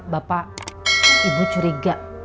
bapak ibu curiga